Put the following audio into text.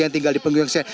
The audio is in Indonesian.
yang tinggal di pengungsian